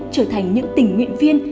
trở thành những tỉnh nguyện viên